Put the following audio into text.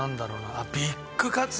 あっビッグカツね！